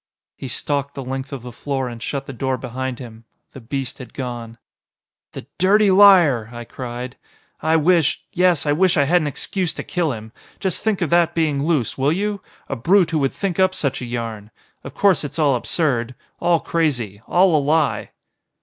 He stalked the length of the floor and shut the door behind him. The beast had gone. "The dirty liar!" I cried. "I wish yes I wish I had an excuse to kill him. Just think of that being loose, will you? A brute who would think up such a yarn! Of course it's all absurd. All crazy. All a lie."